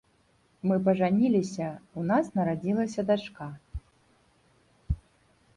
Мы пажаніліся, у нас нарадзілася дачка.